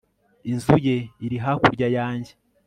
inzu ye iri hakurya yanjye